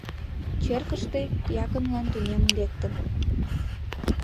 Черкыште якынлан тунем лектын.